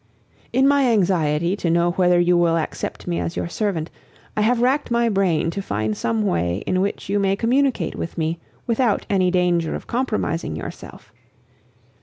"In my anxiety to know whether you will accept me as your servant, I have racked my brain to find some way in which you may communicate with me without any danger of compromising yourself.